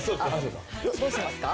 どうしますか？